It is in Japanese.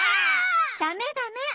ダメダメッ！